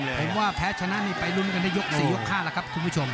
ผมรู้กับมันว่าแพ้ชนะนี่ไปรุ่นไป๓๔๕หลักครับคุณผู้ชม